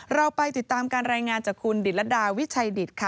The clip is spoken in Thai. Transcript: เราไปติดตามการรายงานจากคุณดิตรดาวิชัยดิตค่ะ